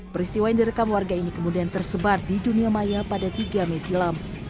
peristiwa yang direkam warga ini kemudian tersebar di dunia maya pada tiga mei silam